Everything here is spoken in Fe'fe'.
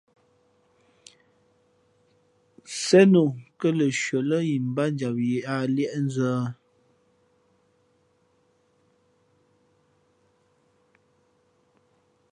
Sēn o kά lα nshʉα lά imbátjam yāā liéʼnzᾱ ?